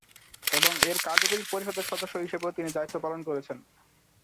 এবং এর কার্যকরী পরিষদের সদস্য হিসেবেও তিনি দায়িত্ব পালন করেছেন।